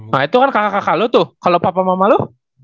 nah itu kan kakak kakak lo tuh kalau papa mama lo